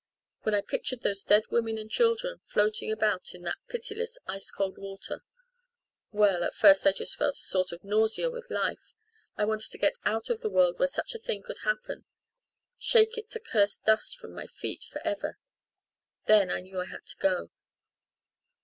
When I pictured those dead women and children floating about in that pitiless, ice cold water well, at first I just felt a sort of nausea with life. I wanted to get out of the world where such a thing could happen shake its accursed dust from my feet for ever. Then I knew I had to go."